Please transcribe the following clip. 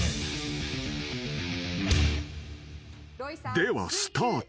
［ではスタート］